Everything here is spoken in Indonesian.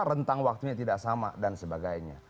rentang waktunya tidak sama dan sebagainya